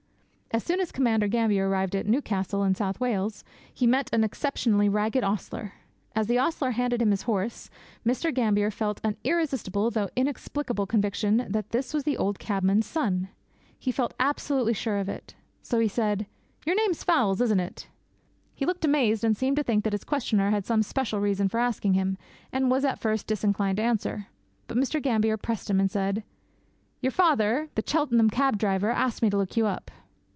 As soon as Commander Gambier arrived at Newcastle, in New South Wales, he met an exceptionally ragged ostler. As the ostler handed him his horse, Mr. Gambier felt an irresistible though inexplicable conviction that this was the old cabman's son. He felt absolutely sure of it; so he said: 'Your name is Fowles, isn't it?' He looked amazed, and seemed to think that his questioner had some special reason for asking him, and was at first disinclined to answer. But Mr. Gambier pressed him and said, 'Your father, the Cheltenham cab driver, asked me to look you up.'